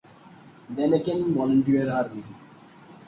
Denikin Volunteer Army.